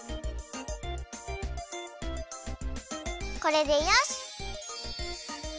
これでよし！